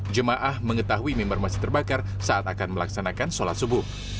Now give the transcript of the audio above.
jemaah mengetahui member masih terbakar saat akan melaksanakan sholat subuh